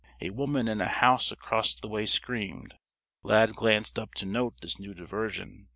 A woman in a house across the way screamed. Lad glanced up to note this new diversion.